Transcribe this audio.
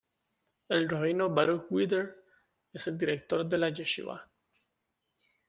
El Rabino Baruj Wieder, es el director de la yeshivá.